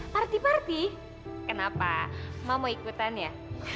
parti parti kenapa ma mau ikutan ya